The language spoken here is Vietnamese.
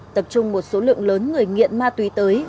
tập trung một số lượng lớn người nghiện ma túy tới